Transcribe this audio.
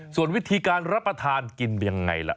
ส่วนวิธีการรับประทานกินเป็นอย่างไรล่ะ